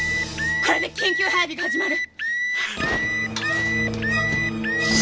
これで緊急配備が始まる！